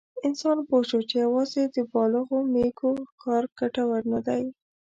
انسان پوه شو چې یواځې د بالغو مېږو ښکار ګټور نه دی.